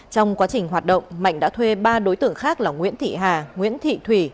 trong quá trình hoạt động mạnh đã thuê ba đối tượng khác là nguyễn thị hà nguyễn thị thủy